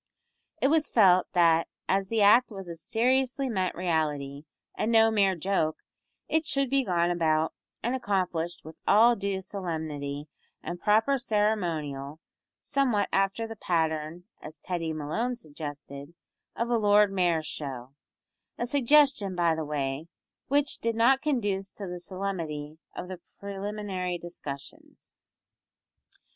It was felt that as the act was a seriously meant reality, and no mere joke, it should be gone about and accomplished with all due solemnity and proper ceremonial, somewhat after the pattern as Teddy Malone suggested of a Lord Mayor's Show; a suggestion, by the way, which did not conduce to the solemnity of the preliminary discussions.